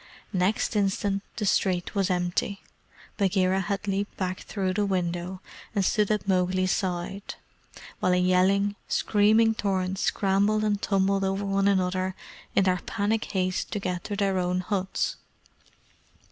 Next instant the street was empty; Bagheera had leaped back through the window, and stood at Mowgli's side, while a yelling, screaming torrent scrambled and tumbled one over another in their panic haste to get to their own huts.